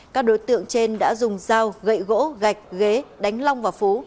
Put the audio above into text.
các đối tượng trên đã dùng dao gậy gỗ gạch ghế đánh long và phú